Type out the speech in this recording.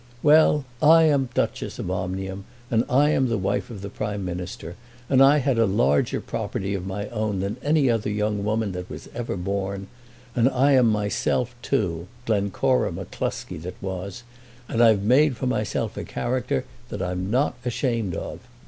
"Well; I am Duchess of Omnium, and I am the wife of the Prime Minister, and I had a larger property of my own than any other young woman that ever was born; and I am myself too, Glencora M'Cluskie that was, and I've made for myself a character that I'm not ashamed of.